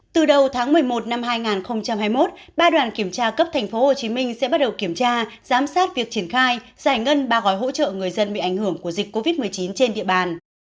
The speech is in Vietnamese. từ đầu tháng một mươi một năm hai nghìn hai mươi một ba đoàn kiểm tra cấp tp hcm sẽ bắt đầu kiểm tra giám sát việc triển khai giải ngân ba gói hỗ trợ người dân bị ảnh hưởng của dịch covid một mươi chín trên địa bàn